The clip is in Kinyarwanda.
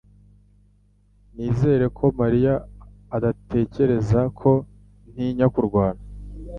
Nizere ko mariya atatekereza ko ntinya kurwana